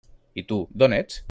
I tu, d'on ets?